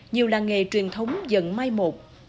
nhiều là nghề truyền thống dần mai một